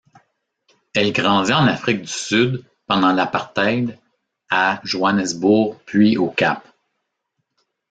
Elle grandit en Afrique du Sud pendant l'apartheid, à Johnnesbourg puis au Cap.